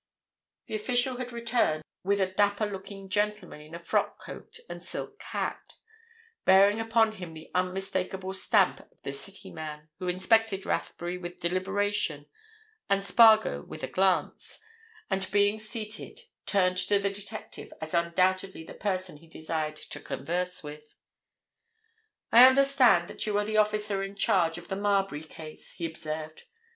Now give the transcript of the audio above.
The official had returned with a dapper looking gentleman in a frock coat and silk hat, bearing upon him the unmistakable stamp of the city man, who inspected Rathbury with deliberation and Spargo with a glance, and being seated turned to the detective as undoubtedly the person he desired to converse with. "I understand that you are the officer in charge of the Marbury murder case," he observed.